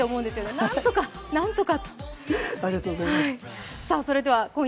なんとか、なんとか。